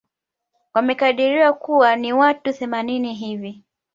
Wamekadiriwa kuwa ni watu themanini hivi